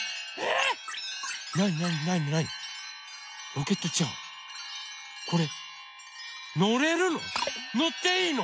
ロケットちゃんこれのれるの？